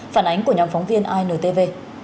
phản ánh của nhóm phóng viên intv